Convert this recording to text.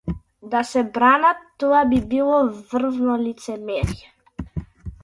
Да се бранат, тоа би било врвно лицемерие.